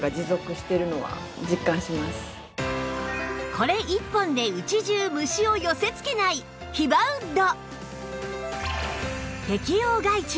これ１本で家中虫を寄せ付けないヒバウッド